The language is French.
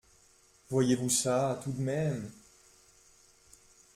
Voyez-vous ça, tout de même…